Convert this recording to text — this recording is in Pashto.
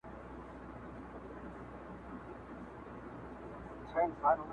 چي مي ستونی په دعا وو ستړی کړی-